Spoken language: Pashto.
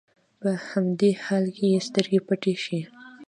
په همدې حال کې يې سترګې پټې شي.